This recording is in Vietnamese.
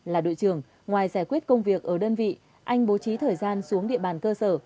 là đội trưởng ngoài giải quyết công việc ở đơn vị anh bố trí thời gian xuống địa bàn cơ sở